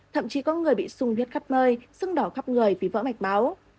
thậm chí có người bị sung huyết khắp nơi sưng đỏ khắp người vì vỡ mạch máu